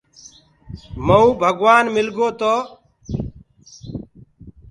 مئونٚ ڀگوآن مِلگو تو